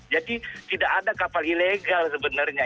jadi tidak ada kapal ilegal sebenarnya